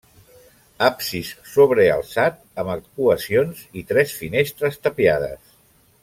Absis sobrealçat amb arcuacions i tres finestres tapiades.